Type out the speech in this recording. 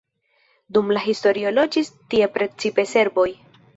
Dum la historio loĝis tie precipe serboj.